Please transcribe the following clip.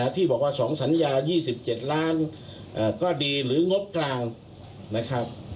ที่บอกว่า๒สัญญา๒๗ล้านก็ดีหรืองบกลางนะครับ